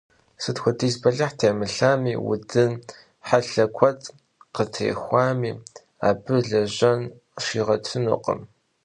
Sıt xuediz belıh têmılhami, vudın helhe kued khıtêxuami, abı lejen şiğetınukhım.